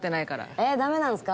えダメなんすか？